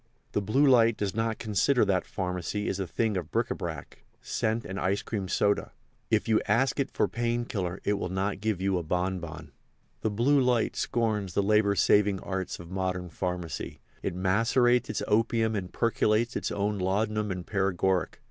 The Blue Light does not consider that pharmacy is a thing of bric a brac, scent and ice cream soda. If you ask it for pain killer it will not give you a bonbon. The Blue Light scorns the labour saving arts of modern pharmacy. It macerates its opium and percolates its own laudanum and paregoric.